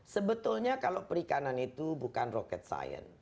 sebetulnya kalau perikanan itu bukan roket science